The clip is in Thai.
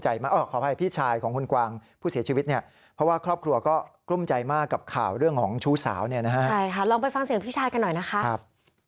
ใช่ค่ะลองไปฟังเสียงพี่ชายกันหน่อยนะครับ